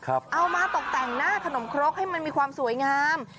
เอามาตกแต่งหน้าขนมครกให้มันมีความสวยงาม